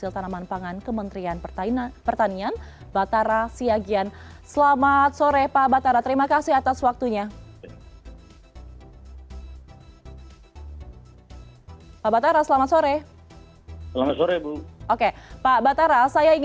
terima kasih atas waktunya